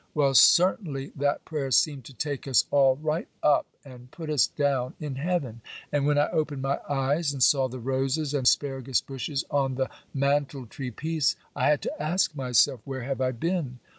Well, certainly, that prayer seemed to take us all right up and put us down in heaven; and when I opened my eyes, and saw the roses and asparagus bushes on the manteltree piece, I had to ask myself, "Where have I been?"